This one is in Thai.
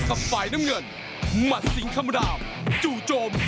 ให้ฟายแดงชนะเพชร๔๗